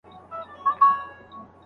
شريعت په شخړو کي د نجونو ورکول غندلي دي.